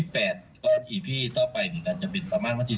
พ่ออีพี่ต่อไปมีการจำเป็นประมาณวันที่๑๘